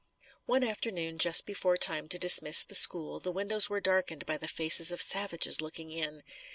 One afternoon just before time to dismiss the school, the windows were darkened by the faces of savages looking in.